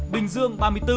bình dương ba mươi bốn